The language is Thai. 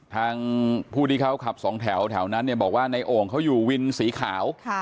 ทางผู้ที่เขาขับสองแถวนั้นเนี่ยบอกว่าในโอ่งเขาอยู่วินสีขาว